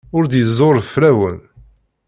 Ur d-rezzuɣ fell-awen.